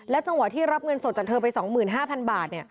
จังหวะที่รับเงินสดจากเธอไป๒๕๐๐๐บาท